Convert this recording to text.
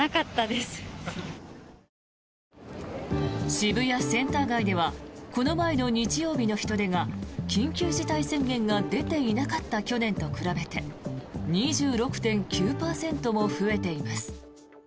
渋谷センター街ではこの前の日曜日の人出が緊急事態宣言が出ていなかった去年と比べて２６．９％も増えています。